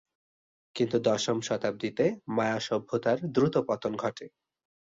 কিন্তু দশম শতাব্দীতে মায়া সভ্যতার দ্রুত পতন ঘটে।